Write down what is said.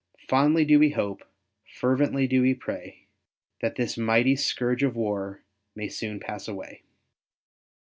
Fondly do we hope, fervently do we pray, that this mighty scourge of war may soon pass away.